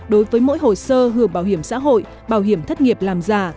đối với mỗi hồ sơ hưởng bảo hiểm xã hội bảo hiểm thất nghiệp làm giả